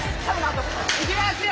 いきますよ。